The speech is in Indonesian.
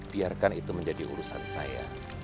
biarkan itu menjadi urusan saya